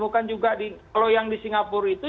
kalau yang di singapura itu